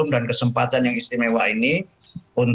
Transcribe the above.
maksimalnya enam puluh lima tahun